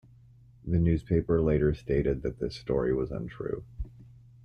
The newspaper later stated that this story was untrue.